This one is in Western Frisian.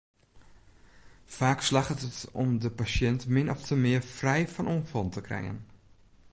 Faak slagget it om de pasjint min ofte mear frij fan oanfallen te krijen.